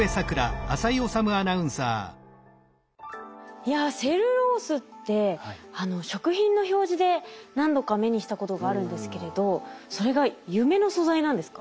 いやセルロースって食品の表示で何度か目にしたことがあるんですけれどそれが夢の素材なんですか？